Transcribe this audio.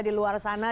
di luar sana